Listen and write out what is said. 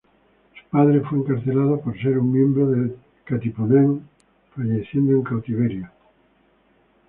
Su padre fue encarcelado por ser un miembro del Katipunan, falleciendo en cautiverio.